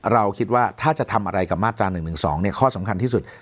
เราคิดว่าถ้าจะทำอะไรกับมาตรา๑๑๒ข้อสำคัญที่สุด